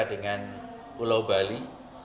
dengan pulau bali